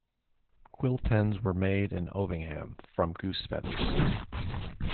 Quill pens were made in Ovingham from goose feathers.